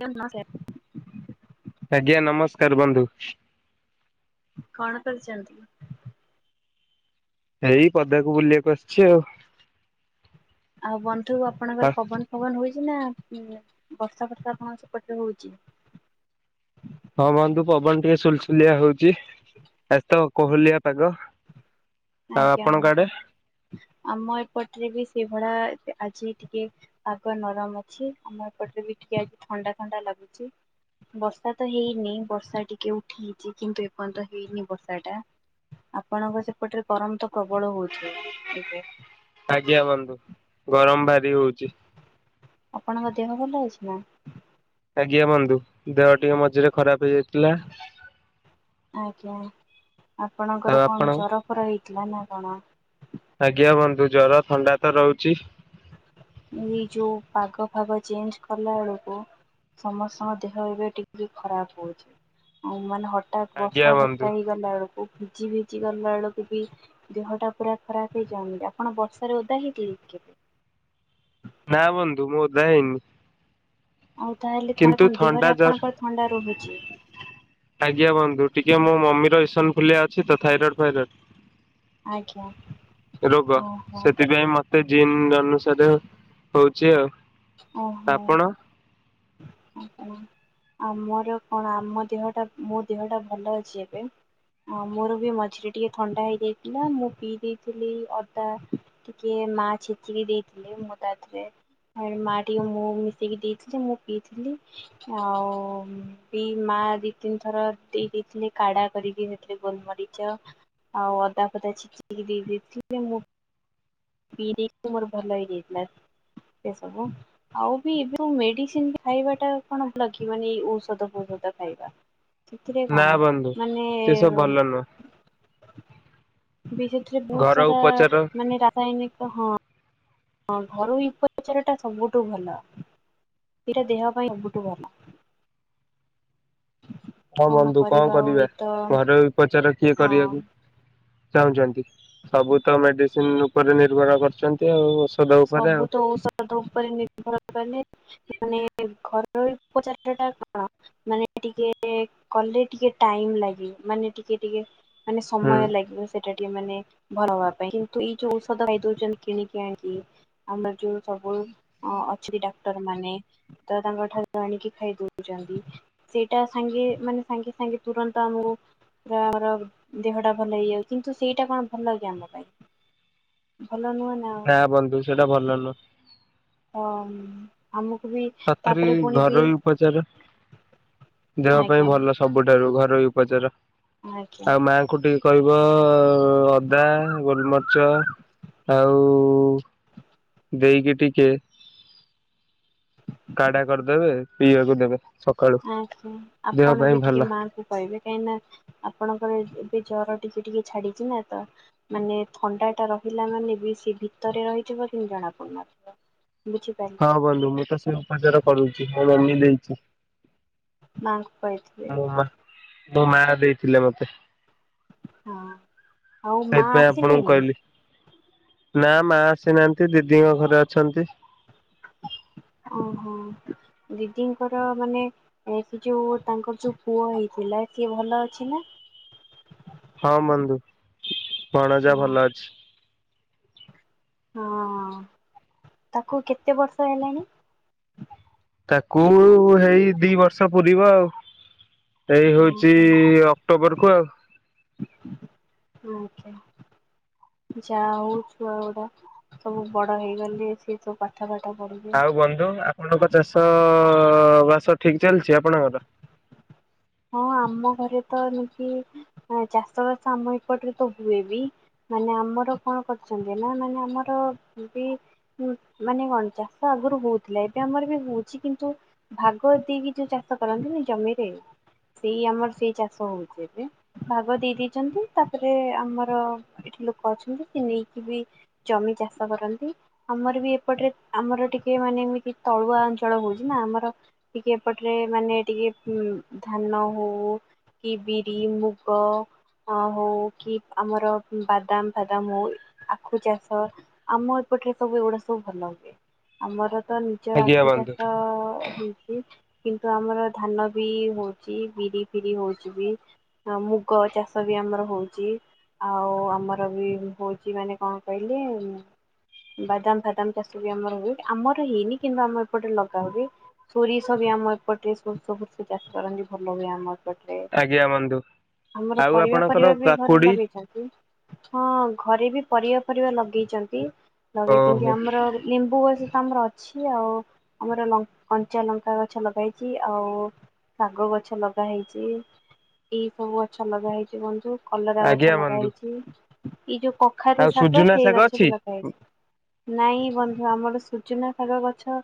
ଏଇ ସେ [unintelligible] ଆଜ୍ଞା ନମସ୍କାର ବନ୍ଧୁ। କଣ କରିଛନ୍ତି। ଏଇ ପଦାକୁ ବୁଲିବାକୁ ଆସିଛି ଆଉ। ଆଉ ବନ୍ଧୁ ଆପଣଙ୍କର ପବନ ଫବନ ହଛି ନା ବର୍ଷା ବର୍ଷା ଆପଣଙ୍କ ସେପଟରେ ହେଉଛୁ। ହଁ ବନ୍ଧୁ ପବନ ଟିକେ ସୁଲସୁଲିଆ ହଉଛି ଆଜି ତ କୋହଲିଆ ପାଗ ଆଉ ଆଜ୍ଞା ଆପଣଙ୍କ ହନ୍ତ ଆଡେ? ଆମ ଏପଟରେ ବି ସେଇଭଳିଆ ଆଜି ଟିକେ ପାଗ ନରମ ଅଛି ଆମ ଏପଟରେ ବି ଟିକେ ଆ ଥଣ୍ଡା ଥଣ୍ଡା ଲାଗୁଛି ବର୍ଷା ତ ହେଇନି ବର୍ଷା ଟିକେ ଉଠେଇଛି କିନ୍ତୁ ଏପର୍ଯ୍ୟନ୍ତ ହେଇନି ବର୍ଷା ଟା ଆପଣଙ୍କ ସେପଟରେ ଗରମ ତ ପ୍ରବଳ ହଉଥିବ। ଏବେ ଆଜ୍ଞା ହଁ ନ୍ତ ଗରମ ଭାରି ହଉଛି। ଆପଣଙ୍କ ଦେହ ଭଲ ଅଛି ନାଁ? ଆଜ୍ଞା ବନ୍ଧୁ ଦେହ ଟିକେ ମଝିରେ ଖରାପ ହେଇଯାଇଥିଲା। ଆଜ୍ଞା ଆଉ ଆପଣଙ୍କର ଆପଣ? କଣ ଜର ଫର ହେଇଥିଲା ନାଁ କଣ? ଆଜ୍ଞା ବନ୍ଧୁ ଜର ଥଣ୍ଡା ତ ରହୁଛି। ଏଇ ଯୋଉଁ ପାଗ ଫାଗ ଚେଞ୍ଜ କଲା ବେଳକୁ ସମସ୍ତଙ୍କ ଦେହ ଏବେ ଟିକେ ଖରାପ ରହୁଛି। ହଁ ମାନେ ହଠାର୍ଥ ହାଠାର୍ଥ ଆଜ୍ଞା ବର୍ଷା ବନ୍ଧୁ ଫର୍ଷା ହେଇଗଲା ବେଳକୁ ଭିଜି ଭିଜି ଗଲା ବେଳକୁ ବି ଦେହଟା ପୁରା ଖରାପ ହେଇଯାଉନି କି। ଆପଣ ବର୍ଷାରେ ଓଦା ହେଇ ହେଇକି ଉଁହୁଁ। ନାଁ ବନ୍ଧୁ ମୁଁ ତ ଯାଇନି। ଆଉ ତାହେଲେ ଥଣ୍ଡା କଣ ଦେହରେ ଆପଣଙ୍କ ଥଣ୍ଡା ରହୁଛି। ଆଜ୍ଞା ବନ୍ଧୁ ଟିକ ମୋ ମମିର ଇସନ ଫୁଲିଆ ଅଛି ତ ଥାଇରଏଡ୍ ଫାଇରଏଡ୍ ଆଜ୍ଞା। ଓ ହୋ। ସେ ଜିନ୍ ଅନୁସାରେ ହଉଛି ଆଉ। ଓ ହୋ। ଆପଣ? ଆମର କଣ ଆମ ଦେହଟା ମୋ ଦେହଟା ଭଲ ଅଛି ଏବେ ହଁ ମୋର ବି ମଝିରେ ଟିକେ ଥଣ୍ଡା ହେଇଯାଇଥିଲା ମୁଁ ପିଇ ଦେଇଥିଲି ଅଦା ଟିକେ ମା ଛେଚିକି ଦେଇଥିଲେ ମୁଁ ତା ଦେହରେ ମୋ ମା ଟିକେ ମହୁଁ ମିଶେଇକି ଦେଇଥିଲେ ମୁଁ ପିଇଥିଲି। ଆଉ ବି ମା ଦି ତିନି ଥର ଦେଇ ଦେଇଥିଲେ କାଢା କରିକି ସେଥିରେ ଗୋଲମରି ମରିଚ ଆଉ ଅଦା ଫଦା ଛେଚିକି ଦେଇ ଦେଇଥିଲେ ମୁଁ ପି ଦେଇଥିଲେ ମୋର ଭଲ ହେଇଯାଇଥିଲା ସେ ସବୁ ଆଉ ବି ଯୋଉଁ ମେଡିସିନ ଖାଇବା ଟା କଣ ଭଲ କି ମାନେଏଇ ଔଷଧ ଫୋଷଧ ଖାଇବା ସେଥିରେ ନାଁ କଣ ବନ୍ଧୁ ସେ ସବୁ ମାନେ ଭଲ ନୁହଁ। ଭିଜିଟିରେ ବହୁତ ଘର ସାରା ଉପଚାର ମାନେ ରାସାୟନିକ ହଁବ। ହଁ ଘରୋଇ ଉପଚାର ଟା ସବୁଠୁ ଭଲ। ସେଇଟା ଦେହ ପାଇଁ ସବୁଠୁ ଭଲ। ହଁ ବନ୍ଧୁ କଣ ଆଉ କରିବା? ଏଇ ତ ଘରୋଇ ଉପଚାର କିଏ କରିବାକୁ। ହଁ ଚାହୁଁଛନ୍ତି ସବୁ ତ ମେଡିସିନ ଉପରେ ନିର୍ଭର କରୁଛନ୍ତି ଆଉ। ଉପରେ ଆଉ ସବୁତ ଔଷଧ ଉପରେ ନିର୍ଭର କଲେ। ତା ମାନେ ଘରୋଇ ଉପଚାରାଟା ଟା କଣ? ମାନେ ଟିକେ କଲେ ଟିକେ ଟାଇମ ଲାଗିବ ମାନେ ଟିକେ ଟିକେ। ମାନେ ହୁଁ। ସମୟ ଲାଗିବ ସେଟା ଟିକେ ମାନେ ଭଲ ହବା ପାଇଁ କିନ୍ତୁ ଏଇ ଯୋଉଁ ଔଷଧ ଖାଇ ଦଉଛନ୍ତି। କିଣିକି ଆଣିକି ଆମର ଯୋଉଁ ସବୁ ଅଁ ଅଛି ଡାକ୍ତର ମାନେ ତ ତାଙ୍କ ଠାରୁ ଆଣିକି ଖାଇଦଉଛନ୍ତି। ସେଇଟା ସାଙ୍ଗେ ମାନେ ସାଙ୍ଗେ ସାଙ୍ଗେ ତୁରନ୍ତ ଆମକୁ ଦେହ ଆମର ଦେହଟା ଭଲ ହେଇଯାଉ କିନ୍ତୁ ସେଇଟା କଣ ଭଲ କି ଆମ ପାଇଁ। ଭଲ ନୁହେଁ ନାଁ। ନାଁ ବନ୍ଧୁ ସେଟା ଭଲ ନୁହଁ? ହଁ। ଆମକୁ ବି ସତରେ ତାପରେ ପୁଣି ବି ଘରୋଇ ଉପଚାର ଦେହ ପାଇଁ ଆଜ୍ଞା ଭଲ। ସବୁଠାରୁ ଘରୋଇ ଉପଚାର ଆଜ୍ଞା ଆଉ ମାଙ୍କୁ ଟିକେ କହିବ ଅଦା ଗୋଲମରିଚ ଆଉ ଦେଇକି ଟିକେ କାଢା କରିଦେବେ ପିଇବାକୁ ଦେବେ। ସକାଳୁ ଆଛା ଦେହ ଆପଣ ପାଇଁ ବି ଭଲ। ଟିକେ ମା ଙ୍କୁ କହିବେ କାହିଁକି ନା ଆପଣଙ୍କର ଏବେ ଜର ଟିକେ ଟିକେ ଛାଡିଛି ନା ତ ମାନେ ଥଣ୍ଡା ଟା ରହିଲା ମାନେ ବି ସେ ଭିତରେ ରହିଯିବ କିନ୍ତୁ ଜଣା ପଡୁନଥିବ। ବୁଝି ହଁ ବନ୍ଧୁ ମୁଁ ତ ସେ ଉପଚାର କରୁଚି ମୋ ମମି ଦେଇଚି। ମାଙ୍କୁ ପାଇଥି ମୋ ମା ମୋ ମା ଦେଇଥିଲେ ମତେ। ହଁ। ଆଉ ମା ସେଇଥିପାଇଁ ଆପଣଙ୍କୁ ଆସିଲେଣି? କହିଲି ନା ମା ଆସିନାହାନ୍ତି ଦିଦିଙ୍କ ଘରେ ଅଛନ୍ତି। ଓହୋ। ଦିଦିଙ୍କର ମାନେ ଯୋଉ ତାଙ୍କର ଯୋଉ ପୁଅ ହେଇଥିଲା ସିଏ ଭଲ ଅଛି ନା? ହଁ ବନ୍ଧୁ ଭଣଜା ଭଲ ଅଛି। ହଁ ତାକୁ କେତେ ବର୍ଷ ହେଲାଣି? ତାକୁ ଏଇ ଦି ବର୍ଷ ପୁରିବ ଆଉ। ଏଇ ଓହୋ ହଉଚି ଅକ୍ଟୋବର କୁ ଆଉ। ଆଜ୍ଞା। ଯାହା ହଉ ଛୁଆ ଗୁଡା ସବୁ ବଡ ହେଇଗଲେ ସିଏ ସବୁ ପାଠ ଫାଠ ପଢିବେ। [inaudible] ଆପଣଙ୍କ ଚାଷ ବାସ ଠିକ୍ ଚାଲିଛି ଆପଣଙ୍କର? ହଁ ଆମ ଘରେ ତ ଏମିତି ଚାଷ ବାସ ଆମ ଏପଟରେ ତ ହୁଏ ବି ମାନେ ଆମର କଣ କରୁଛନ୍ତି ନା ମାନେ ଆମର ବି ହୁଁ ମାନେ କଣ ଚାଷ ଆଗୁରୁ ହଉଥିଲା ଏବେ ଆମର ବି ହଉଛି କିନ୍ତୁ ଭାଗ ଦେଇକି ଯୋଉ ଚାଷ କରନ୍ତି ନି ଜମିରେ ସେଇ ଆମର ସେଇ ଚାଷ ହଉଚି ଏବେ ଭାଗ ଦେଇ ଦେଇଚନ୍ତି ତାପରେ ଆମର ଏଠି ଲୋକ ଅଛନ୍ତି ସେ ନେଇକି ବି ଜମି ଚାଷ କରନ୍ତି। ଆମର ବି ଏପଟେରେ ଆମର ଟିକେ ମାନେ ଏମିତି ତଳୁଆ ଅଞ୍ଚଳ ହଉଛି ନା ଆମର ଟିକେ ଏପଟେରେ ମାନେ ଟିକେ ଧାନ ହଉ କିି ବିରି ମୁଗ ଅ ହଉ କି ଆମର ବାଦାମ୍ ଫାଦାମ୍ ହଉ ଆଖୁ ଚାଷ ଆମ ଏପଟେରେ ସବୁ ଏଗୁଡା ସବୁ ଭଲ ହୁଏ ଆମର ତ ନିଜ ଆଜ୍ଞା ଆଖୁ ବନ୍ଧୁ ଚାଷ ହେଇଚି କିନ୍ତୁ ଆମର ଧାନ ବି ହଉ ଚି ବିରି ଫିରି ହଉଚି ବି ମୁଗ ଚାଷ ବି ଆମର ହଉଚି ଆଉ ଆମର ବି ହଉଚି ମାନେ କଣ କହିଲେ ବାଦାମ୍ ଫାଦାମ୍ ଚାଷ ବି ଆମର ହୁଏ ଆମର ହେଇନି କିନ୍ତୁ ଆମ ଏପଟେ ଲଗା ହଏ। ସୋରିଷ ବି ଆମ ଏପଟେ ସୋରିଷ ଫୋରିଷ ଚାସ୍ କରନ୍ତି ଭଲ ହୁଏ ଆମର। ଆଜ୍ଞା ବନ୍ଧୁ [inaudible] ଆମର ଆଉ ପରିବା ଆପଣଙ୍କର ଫରିବା ବି ଘରେ କାକୁଡି ଲଗେଇଛନ୍। ହଁ ଘରେ ବି ପରିବା ଫରିବା ଲଗେଇଚନ୍ତି। ଲଗେଇଚନ୍ତି ଓହୋ ଆମର ଲେମ୍ବୁ ଗଛ ତ ଆମର ଅ ଛି ଆଉ ଆମର ଲ କଞ୍ଚା ଲଙ୍କା ଗଛ ଲଗେଇଚି ଆଉ ଶାଗ ଗ ଛ ଲଗା ହେଇଚି ଏଇ ସବୁ ଗଛ ଲଗା ହେଇଚି ବନ୍ଧୁ। କଲରା ଗଛ ଆଜ୍ଞା ଲଗା ବନ୍ଧୁ ହେଇଚି ଏଇ ଯୋଉ କଖାରୁୁ ଆଉ ଶାଗ ସୁଜୁନା ସେଇ ଗଛ ଅଛି ବି ଲଗା ହେଇଚି। ନାଇଁ ବନ୍ଧୁ ଆମର ସୁଜନା ଶାଗ ଗଛ।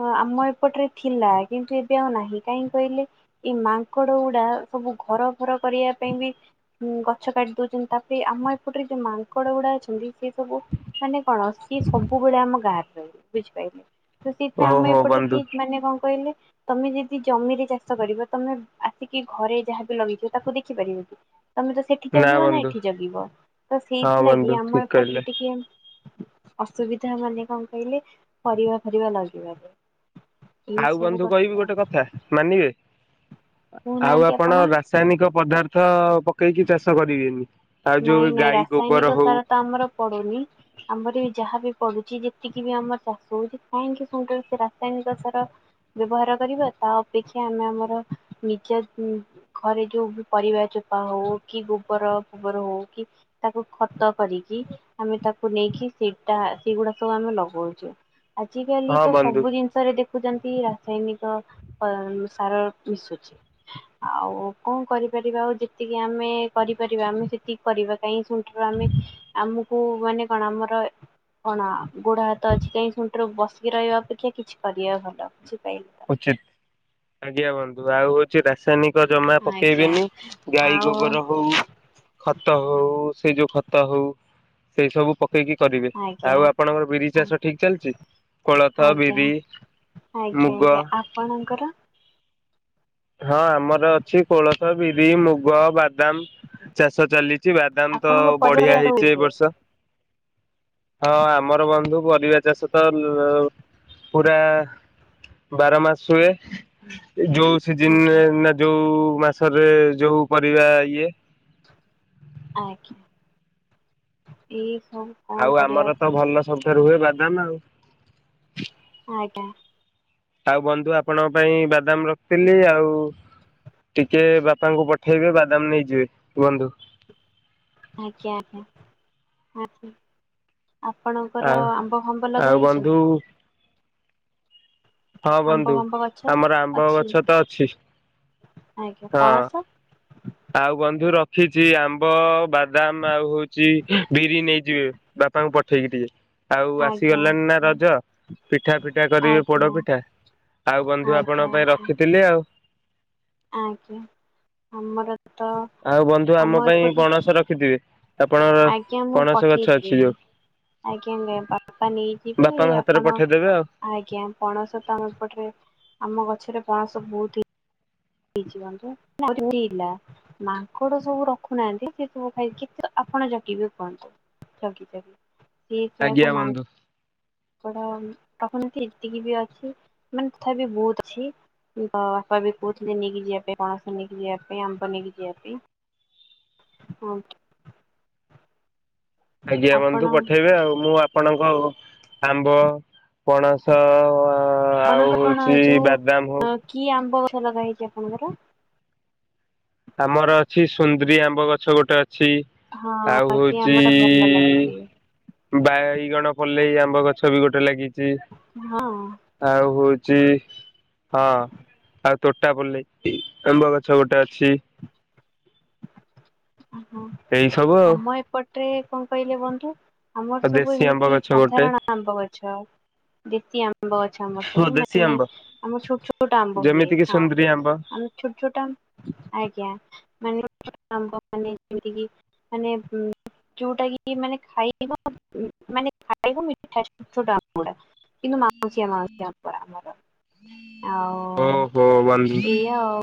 ହଁ ଆମ ଏପଟରେ ଥିଲା କିନ୍ତୁ ଏବେ ଆଉ ନାହିଁ କାହିଁକି କହିଲେ। ଏଇ ମାଙ୍କଡ ଗୁଡା ସବୁ ଘର ଫର କରିବା ପାଇଁ କି। ହୁଁ ଗଛ କାଟି ଦଉଛନ୍ତି ତାପରେ ଆମ ଏପଟରେ ଯୋଉ ମାଙ୍କଡ ଗୁଡା ଅଛନ୍ତି ସେ ସବୁ। ମାନେ କଣ ସିଏ ସବୁବେଳେ ଆମ ଗାଁରେ ରହିବ ବୁଝିପାଇଲେ। ତ ସେଇଥିପାଇଁ ଆମ ଓହୋ ଏପଟରେ ବନ୍ଧୁ କି ମାନେ କଣ କହିଲେ ତମେ ଯଦି ଜମିରେ ଚାଷ କରିବ। ତମେ ଆସିକି ଘରେ ଯାହାବି ଲଗେଇଥିବ ତାକୁ ଦେଖିପାରିବ କି ତମେ ତ ସେ ସେଠି ଜଗିବ ନା ଏଠି ଜଗିବ ତ ହଁ ବନ୍ଧୁ ସେଇଥିଲାଗି ଠିକ ଆମ କହିଲେ ଏପଟରେ ଟିକେ। ଅସୁବିଧା ମାନେ କଁ କହିଲେ ପରିବା ଫରିବା ଲଗେଇିବା ପାଇଁ। ଆଉ ବନ୍ଧୁ କହିବି ଗୋଟେ କଥା ମାନିବେ। ଆଉ ଆପଣ ରାସାୟନିକ ପଦାର୍ଥ ପକେଇକି ଚାଷ କରିବେନି। ଆଉ ନାଇଁ ଯୋଉ ନାଇଁ ଗାଈ ଗୋବର ରାସାୟନିକ ହଉ ସାର ତ ଆମର ପଡୁନି। ଆମର ବି ଯାହା ବି ପଡୁଛି ଯେତିକି ବି ଆମର ଚାଷ ହଉଛି କାହିଁକି ସୂନ ଟାରେ ସେ ରାସାୟନିକ ସାର। ବ୍ୟବହାର କରିବା ତା ଅପେକ୍ଷା ଆମେ ଆମର ନିଜ ଉଁ। ଘରେ ଯୋଉ ବି ପରିବା ଚୋପା ହଉ କି ଗୋବର ଫୋବର ହଉ କି। ତାକୁ ଖତ କରିକି। ଆମେ ତାକୁ ନେଇକି ସେଟା ସେଗୁଡା ସବୁ ଆମେ ଲଗଉଛୁ ଆଜିିକାଲି ହଁ ତ ବନ୍ଧୁ ସବୁ ଜିନି ଷରେ ଦେଖୁଛନ୍ତି ରାସାୟନିକ ଅ ସାର ମିଶୁଛି। ଆଉ କଁ କରିପାରିବା ଆଉ ଯେତିକି ଆମେ କରିପାରିବା ଆମେ। ସେତିକି କରିବା ପାଇଁ ସୁଠାରୁ ଆମେ ଆମକୁ ମାନେ କଣ ଆମର। କଣ ଗୋଡ ହାତ ଅଛି କାହିଁ ଶୁନ ଟାରେ ବସିକି ରହିବା ଅପେକ୍ଷା କିଛି କରିବା ଭଲ ବୁଝିପାଇଲେ। ତ। ଉଚିତ ଆଜ୍ଞା ବୁନ୍ଧୁ ଆଉ ହଉଛି ରାସାୟନିକ୍। ଜମା ଆଜ୍ଞା ପକେଇବେନି ଗାଈ ଆଉ ଗୋବର ହଉ। ଖତ ହଉ ସେ ଯୋଉ ଖତ ହଉ ସେଇ ସବୁ ପକ୍ ପକେଇକି କରିବେ ଆଜ୍ଞା ଆଉ ଆପଣଙ୍କର ବିରି ଚାଷ ଠିକ ଚାଲିଛି କୋଳଥ ଆଜ୍ଞା ବିରି। ଆଜ୍ଞା ମୁଗ ଆଜ୍ଞା ଆପଣଙ୍କର। ହଁ ଆମର ଅଛି କୋଳଥ, ବିରି, ମୁଗ, ବାଦାମ। ଚାଷ ଚାଲିଛି ବାଦାମ ତ ଆପଣଙ୍କ ପରିବାରରେ ବଢିଆ ହେଇଛି ଏ ଆଜ୍ଞା ବର୍ଷ। ହଁ ଆମର ବନ୍ଧୁ ପରିବା ଚାଷ ତ ପୁରା ବାର ମାସ ହୁଏ ଯୋଉ। ସିଜିନ୍ ରେ ନା ଯୋଉ ମାସରେ ଯୋଉ ପରିବା ଇଏ। ଆଜ୍ଞା ଏଇ ସବୁ। କଣ ଆଉ କରିବା ଆମର ତ କୁହନ୍ତୁ। ଭଲ ଶବୁ ଠାରୁ ହୁଏ ବାଦାମ ଆଉ। ଆଜ୍ଞା। ଆଉ ବନ୍ଧୁ ଆପଣଙ୍କ ପାଇଁ ବାଦାମ ରଖିଥିଲି ଆଉ। ଟିକେ ବାପାଙ୍କୁ ପଠେଇବେ ବାଦାମ ନେଇଯିବେ ବନ୍ଧୁ। ଆଜ୍ଞା ଆଜ୍ଞା ଆଜ୍ଞା। ଆପଣଙ୍କର ଆଉ ଆମ୍ବ ଫାମ୍ବ ଆଉ ଲଗା ହେଇଛି ବନ୍ଧୁ ନା। ହଁ ଆମ୍ବ ବନ୍ଧୁ ଫାମ୍ବ ଗଛ ଆମର ଆମ୍ବ ଅଛି? ଗଛ ତ ଅଛି ଆଜ୍ଞା ହଁ। ପଣସ ଆଉ ବନ୍ଧୁ ରଖିଛି ଆମ୍ବ ବାଦାମ ଆଉ ହଉଛି ବିରି ନେଇଯିବେ ବାପ୍ ପା ଙ୍କୁ ପଠେଇକି ଟିକେ। ଆଉ ଆଜ୍ଞା ଆସିଗଲାଣି ନା ଆଜ୍ଞା ରଜ ପିଠା ଫିଠା କରିବେ ଆଜ୍ଞା ପୋଡ ପିଠା। ଆଉ ବନ୍ଧୁ ଆଜ୍ଞା ଆପଣଙ୍କ ପାଇଁ ଆଜ୍ଞା ରଖିଥିଲି ଆଉ। ଆଜ୍ଞା ଆମର ତ ଆଉ ବନ୍ଧୁ ଆମ ପାଇଁ ପଣସ ରଖିଥିବେ ଆପଣଙ୍କର ଆଜ୍ଞା ମୁଁ ପଣସ ଗଛ ପଠେଇଦେବି ଅଛି ଯୋଉ। ଆଜ୍ଞା ଆଜ୍ଞା ବାପା ନେଇଯିବେ ବାପାଙ୍କ ହାତରେ ଆପଣ ପଠେଇଦେବେ ଆଉ ଆଜ୍ଞା ପଣସ ତ ଆମ ଏପଟରେ ଆମ ଗଛରେ ପଣସ ବହୁତ ହିଁ [unintelligible] ମାଙ୍କଡ ସବୁ ରଖୁନାହାନ୍ତି ସେ ସବୁ ଖାଇ ଆପଣ ଜଗିବେ କୁହନ୍ତୁ? ଇଏ ଆଜ୍ଞା ସେଇଆକୁ ବନ୍ଧୁ ମାଙ୍କୁ ତ ଆପଣଙ୍କ ଏତିକି ବି ଅଛି ମାନେ ତଥାପି ବହୁତ ଅଛି। ତ ବାପ ବି କହୁଥିଲେ ନେଇକି ଯିବା ପାଇଁ ପଣସି ନେଇକି ଯିବା ପାଇଁ ଆମ୍ବ ନେଇକି ଯିବା ପାଇଁ। ହଉ। ଆଜ୍ଞା ଆପଣ ବଧୁ ପଠେଇବେ ଆଉ ମୁଁ ଆପଣଙ୍କ ଆମ୍ବ ପଣସ ଆଉ ଆପଣଙ୍କ କଣ ହଉଛି ଯୋଉ ବାଦାମ ହଉ। ହଁ କି ଆମ୍ବ ଗଛ ଲଗା ହେଇଛି ଆପଣଙ୍କର। ଆମର ଅଛି ସୁନ୍ଦରୀ ଆମ୍ବ ଗଛ ଗୋଟେ ଅଛି। ହଁ ଆଉ ସିଏ ହଉଛି ଆମ୍ବ ଟା ଭଲ ଲାଗେ ବି। ବାଇଗଣ ପୋଲେଇ ଆମ୍ବ ଗଛ ବି ଗୋଟେ ଲାଗିଛି। ହଁ ଆଉ ହଉଛି ହଁ ଆଉ ତୋଟା ପଲେଇ ଆମ୍ବ ଗଛ ଗୋଟେ ଅଛି। ଓହୋ ଏଇ ସବୁ ଆଉ ଆମ ଏପଟରେ କଣ କହିଲେ ବନ୍ଧୁ? ଆମର ଆଉ ସବୁ ଦେଶୀ ଆମ୍ବ ଏମିତି ଗଛ ଗୋଟେ ସାଧାରଣ ଆମ୍ବ ଗଛ ଦେଶୀ ଆମ୍ବ। ଆମ୍ବ ଅଛ ଆମର ଓ ସବୁ ଦେଶୀ ମାନେ ଆମ୍ବ ଆମର ଛୋଟ ଛୋଟ ଆମ୍ବ ହୁଏ ଯେମିତି କିି ହଁ। ସୁନ୍ଦରୀ ଆମ୍ବ ଆମେ ଛୋଟ ଛୋଟ ଆଜ୍ଞା ମାନେ ଆମ୍ବ ମାନେ ଯେମତି କି ମାନେ ଯୋଉଟା କି ମାନେ ଖାଇବ ମାନେ ଖାଇବ ମିଠା ଛୋଟ ଛୋଟ ଆମ୍ବ ଗୁଡା। କିନ୍ତୁ ମାଉସିଆ ମାଉସିଆ ଆମ୍ବ ଆମର। ଆଉ ଓହୋ ବନ୍ଧୁ ଏଇଆ ଆଉ।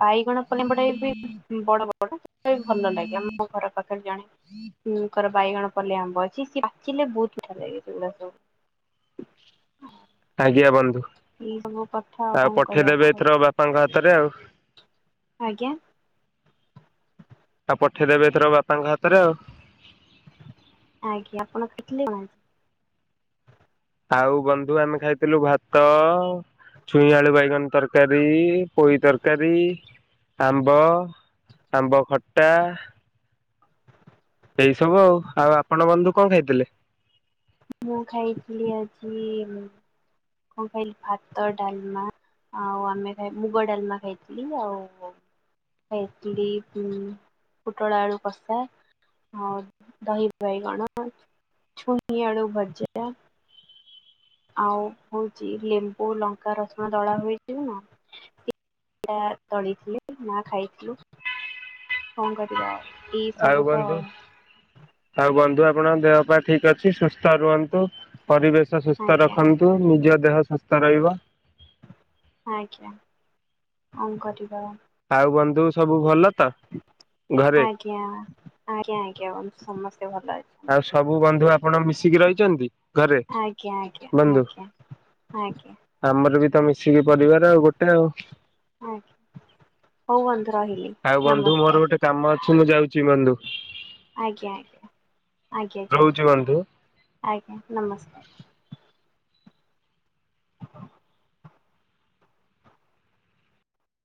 ବାଇଗଣ ପଲେଇ ଆମ୍ବ ଟା ବି ବଡ ବଡ ସେଟାବି ଭଲ ଲାଗେ ଆମ ଘର ପାଖରେ ଜଣେ। ଙ୍କର ବାଇଗଣ ପଲେଇ ଆମ୍ବ ଅଛି ସିଏ ପାଚିଲେ ବହୁତ ମିଠା ଲାଗେ ସେଗୁଡା ସବୁ। ଆଜ୍ଞା ବନ୍ଧୁ। ଏଇ ସବୁ କଥା ଆଉ କଣ କହିବା କଣ? ଆପଙ୍କ ହାତରେ ଆଉ। ଆଜ୍ଞା। ଆଉ ପଠେଇଦେବେ ଏଥର ବାପାଙ୍କ ହାତରେ ଆଉ। ଆଜ୍ଞା ଆପଣ ଖାଇଥିଲେ କଣ? ଆଉ ବନ୍ଧୁ ଆମେ ଖାଇଥିଲୁ ଭାତ। ଛୁଇଁ ଆଳୁ ବାଇଗଣ ତରକାରୀ ପୋଇ ତରକାରୀ ଆମ୍ବ। ଆମ୍ବ ଖଟ୍ଟା। ଏଇ ସବୁ ଆଉ ଆଉ ଆପଣ ବନ୍ଧୁ କଣ ଖାଇଥିଲେ? ମୁଁ ଖାଇଥିଲି ଆଜି କଣ ଖାଇଲି ଭାତ ଡାଲମା। ଆଉ ଆମୋଇ ମୁଗ ଡାଲମା ଖାଇଥିଲି ଆଉ। ଏଟଲି ଉ ପୁଟଳ ଆଲୁ କଷା। ଆଉ ଦହି ବାଇଗଣ ଚୁଇ ଆଳୁ ଭଜା। ଆଉ ହଉଛି ଲେମ୍ବୁ ଲଙ୍କା ରସୁଣ ଦଳା ହୋଇଥିଲା। ପା ଦଳିଥିଲେ ମା ଖାଇଥିଲୁ। କଣ କରିବା ଆଉ? ଏଇ ଆଉ ସବୁ ତ ବନ୍ଧୁ ଆଉ ବନ୍ଧୁ ଆପଣଙ୍କ ଦେହ ପାଇଁ ଠିକ ଅଛି ସୁସ୍ଥ ରୁହନ୍ତୁ। ପରିବେଶ ସୁସ୍ଥ ଆଜ୍ଞା ରଖନ୍ତୁ ନିଜ ଦେହ ସୁସ୍ଥ ରହିବ। ଆଜ୍ଞା କଣ କରିବା। ଆଉ ବନ୍ଧୁ ସବୁ ଭଲ ତ ଘରେ? କ୍ୟଆ ଆରେ ଆଜ୍ଞା ସମସ୍ତେ ଭଲ ଅଛୁ। ଆଉ ସବୁ ବନ୍ଧୁ ଆପଣ ମିଶିକି ରହିଛନ୍ତି? ଘରେ ଆଜ୍ଞା ଆଜ୍ଞା ବନ୍ଧୁ? ଆଜ୍ଞା ଆଜ୍ଞା। ଆମର ବି ତ ମିଶିକି ପରିବାର ଆଉ ଗୋଟେ ଆଉ। ଆଜ୍ଞା ହଉ ବନ୍ଧୁ ରହିଲି। ଆଉ ବନ୍ଧୁ ମୋର ନମସ୍କାର ଗୋଟେ କାମ ଅଛି ମୁଁ ଯାଉଛି ବନ୍ଧୁ। ଆଜ୍ଞା ଆଜ୍ଞା ଆଜ୍ଞା ଯା ରହୁଛି ବନ୍ଧୁ। ଆଜ୍ଞା ନମସ୍କାର।